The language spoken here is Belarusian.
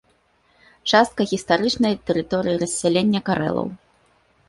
Частка гістарычнай тэрыторыі рассялення карэлаў.